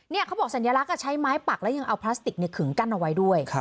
เขาบอกสัญลักษณ์ใช้ไม้ปักแล้วยังเอาพลาสติกขึงกั้นเอาไว้ด้วย